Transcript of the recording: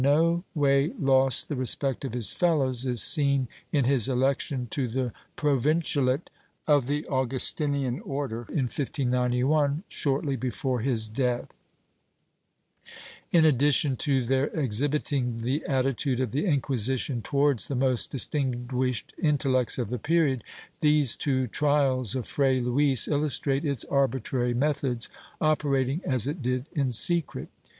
=* Ibidem, pp. 52 4. ^ Ibidem, p. 53. VOL. IV 11 IQ2 PROPOSITIONS [Book YIII way lost the respect of his fellows is seen in his election to the Provincialate of the Augustinian Order, in 1591, shortly before his death. In addition to their exhibiting the attitude of the Inquisition towards the most distinguished intellects of the period, these two trials of Fray Luis illustrate its arbitrary methods, operating as it did in secret.